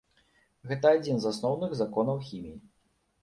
Гэта адзін з асноўных законаў хіміі.